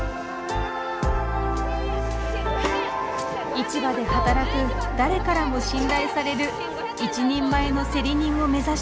市場で働く誰からも信頼される一人前の競り人を目指して。